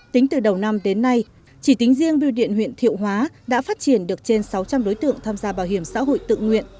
tính từ đầu năm đến nay chỉ tính riêng biêu điện huyện thiệu hóa đã phát triển được trên sáu trăm linh đối tượng tham gia bảo hiểm xã hội tự nguyện